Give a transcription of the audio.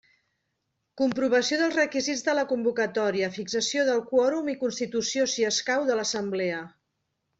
Comprovació dels requisits de la convocatòria, fixació del quòrum i constitució, si escau, de l'assemblea.